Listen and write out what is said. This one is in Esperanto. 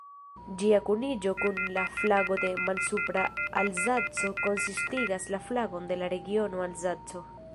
Ĝia kuniĝo kun la flago de Malsupra-Alzaco konsistigas la flagon de la regiono Alzaco.